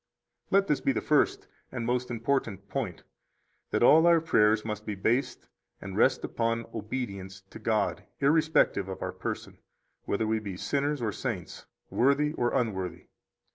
17 Let this be the first and most important point, that all our prayers must be based and rest upon obedience to God, irrespective of our person, whether we be sinners or saints, worthy or unworthy.